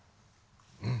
うん。